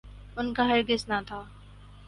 ان کا ہرگز نہ تھا۔